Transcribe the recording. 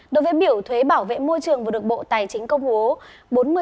đối với biểu thuế bảo vệ môi trường vừa được bộ tài chính công bố